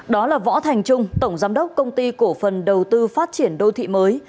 đó là võ thành trung tổng giám đốc công ty cổ phần đầu tư phát triển đô thị mới